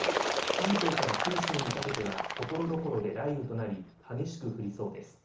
関東から九州にかけてはところどころで雷雨となり激しく降りそうです。